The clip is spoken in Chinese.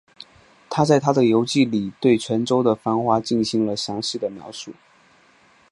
他在他的游记里对泉州的繁华进行了详细的描述。